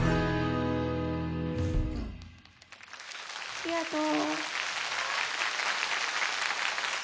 ありがとう。